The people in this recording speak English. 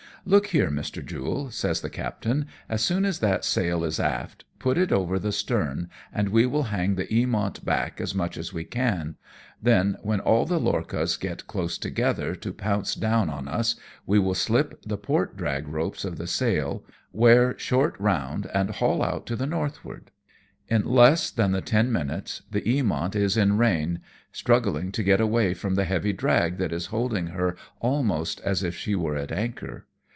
" Look here, Mr. Jule,^' says tbe captain, " as soon as that sail is aft, put it over the astern, and we will hang the Eamont back as much as we can, then when ii8 AMONG TYPHOONS AND PIRATE CRAFT. all the lorchas get close together to pounce down on us, we will slip the port drag ropes of the sail, wear short round and haul out to the northward." In less than the ten minutes the Ulamont is in rein, struggling to get away from the heavy drag that is holding her almost as if she were at anchor.